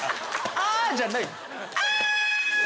アじゃない。